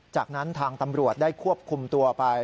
จากนั้นทางตำรวจได้ควบคุมตัวไป